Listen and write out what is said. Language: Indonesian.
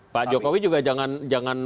pak jokowi juga jangan